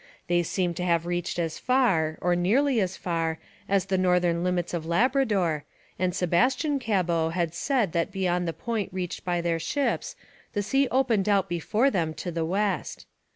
They seem to have reached as far, or nearly as far, as the northern limits of Labrador, and Sebastian Cabot had said that beyond the point reached by their ships the sea opened out before them to the west.